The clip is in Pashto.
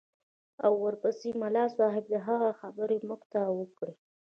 او ورپسې ملا صاحب د هغه خبرې موږ ته وکړې.